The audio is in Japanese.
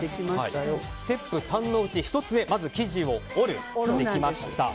ステップ３のうち１つ目生地を折るができました。